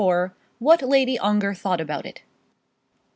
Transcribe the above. WHAT LADY ONGAR THOUGHT ABOUT IT.